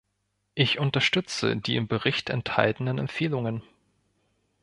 Ich unterstütze die im Bericht enthaltenen Empfehlungen.